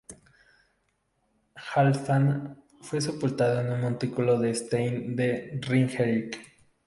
Halfdan fue sepultado en un montículo en Stein de Ringerike.